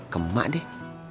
ke emak deh